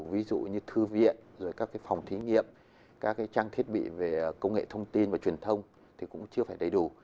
ví dụ như thư viện rồi các phòng thí nghiệm các trang thiết bị về công nghệ thông tin và truyền thông thì cũng chưa phải đầy đủ